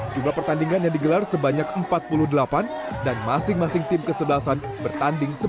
jumlah pertandingan yang digelar sebanyak empat puluh delapan dan masing masing tim kesebelasan bertanding sembilan belas